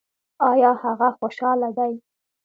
ایا هغه خوشحاله دی؟